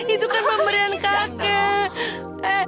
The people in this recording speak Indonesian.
itu kan pemberian kakek